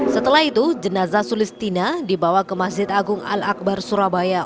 setelah itu jenazah sulistina dibawa ke masjid agung al akbar surabaya